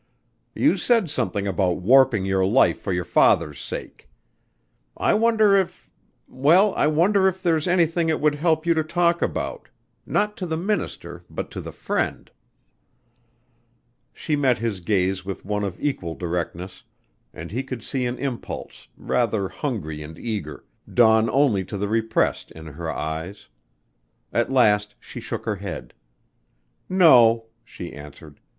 "You said something about warping your life for your father's sake. I wonder if well, I wonder if there's anything it would help you to talk about not to the minister but to the friend." She met his gaze with one of equal directness, and he could see an impulse, rather hungry and eager, dawn only to be repressed in her eyes. At last she shook her head. "No," she answered.